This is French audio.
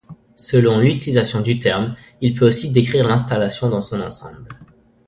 Selon l'utilisation du terme, il peut aussi décrire l'installation dans son ensemble.